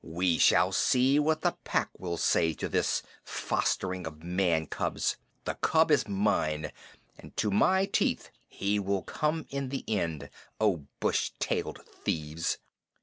We will see what the Pack will say to this fostering of man cubs. The cub is mine, and to my teeth he will come in the end, O bush tailed thieves!"